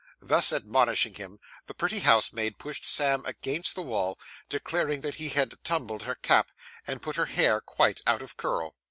Thus admonishing him, the pretty housemaid pushed Sam against the wall, declaring that he had tumbled her cap, and put her hair quite out of curl.